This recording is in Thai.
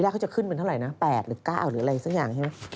ก็จะขึ้นเป็นเท่าไหร่นะ๘เป็น๙แหละ